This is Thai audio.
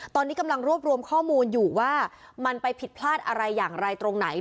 ตอนนี้กำลังรวบรวมข้อมูลอยู่ว่ามันไปผิดพลาดอะไรอย่างไรตรงไหน